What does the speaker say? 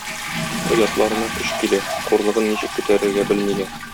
Оятларына көч килә, хурлыгын ничек күтәрергә белмиләр.